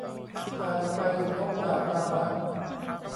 ถ้าจะไปสมทบจากด้านนั้น